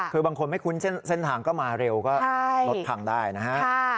คือบางคนไม่คุ้นเส้นทางก็มาเร็วก็รถพังได้นะฮะ